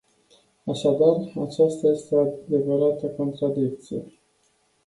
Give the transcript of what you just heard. Așadar, aceasta este o adevărată contradicție.